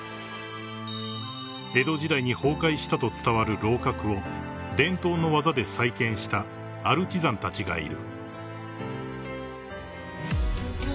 ［江戸時代に崩壊したと伝わる楼閣を伝統の技で再建したアルチザンたちがいる］